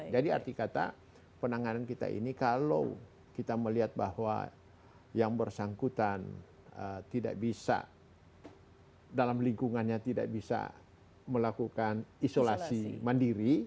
jadi arti kata penanganan kita ini kalau kita melihat bahwa yang bersangkutan tidak bisa dalam lingkungannya tidak bisa melakukan isolasi mandiri